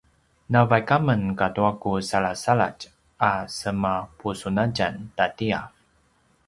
navaik amen katua ku salasaladj a semapusunatjan tatiav